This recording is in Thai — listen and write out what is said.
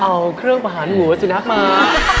เอ้าเครื่องผ่านหัวจุนับมา